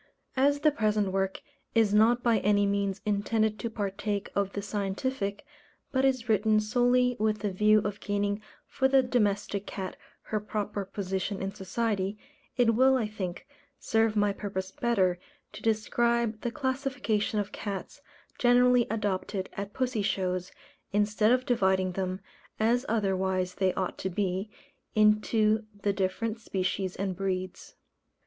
As the present work is not by any means intended to partake of the scientific, but is written solely with the view of gaining for the domestic cat her proper position in society, it will, I think, serve my purpose better to describe the classification of cats generally adopted at pussy shows, instead of dividing them, as otherwise they ought to be, into the different species and breeds.